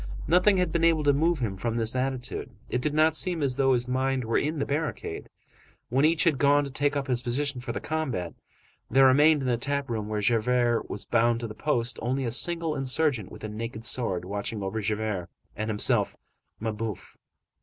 Nothing had been able to move him from this attitude; it did not seem as though his mind were in the barricade. When each had gone to take up his position for the combat, there remained in the tap room where Javert was bound to the post, only a single insurgent with a naked sword, watching over Javert, and himself, Mabeuf.